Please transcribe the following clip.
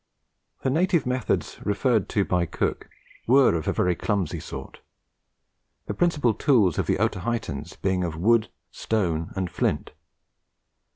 The native methods referred to by Cook were of a very clumsy sort; the principal tools of the Otaheitans being of wood, stone, and flint.